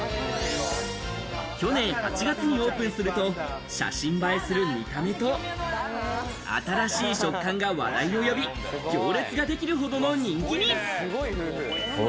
去年８月にオープンすると、写真映えする見た目と、新しい食感が話題を呼び、行列ができるほどの人気に。